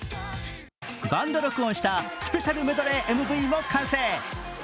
バンド録音したスペシャルメドレーＭＶも完成。